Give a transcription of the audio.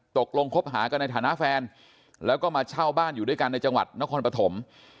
ตกลงคบหากันในฐานะแฟนแล้วก็มาเช่าบ้านอยู่ด้วยกันในจังหวัดนครปฐม